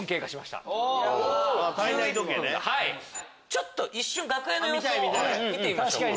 ちょっと一瞬楽屋の様子を見てみましょうか。